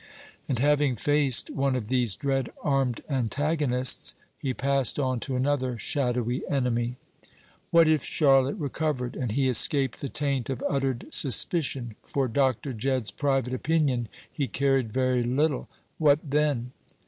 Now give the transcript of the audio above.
And having faced one of these dread armed antagonists, he passed on to another shadowy enemy. What if Charlotte recovered, and he escaped the taint of uttered suspicion for Dr. Jedd's private opinion he cared very little what then?